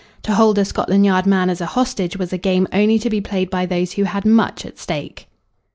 To hold a Scotland Yard man as a hostage was a game only to be played by those who had much at stake.